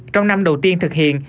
trong năm đầu tiên thực hiện